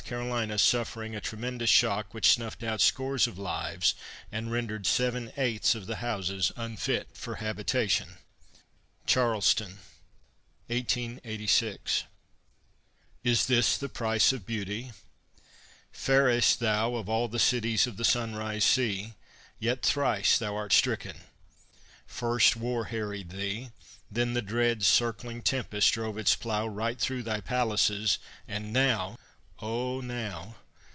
C., suffering a tremendous shock which snuffed out scores of lives and rendered seven eighths of the houses unfit for habitation. CHARLESTON 1886 Is this the price of beauty! Fairest, thou, Of all the cities of the sunrise sea, Yet thrice art stricken. First, war harried thee; Then the dread circling tempest drove its plough Right through thy palaces; and now, O now!